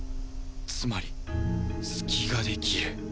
つまり隙ができる